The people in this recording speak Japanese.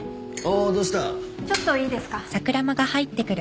ちょっといいですか？